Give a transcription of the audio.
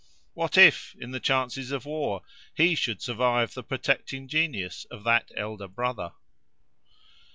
—What if, in the chances of war, he should survive the protecting genius of that elder brother?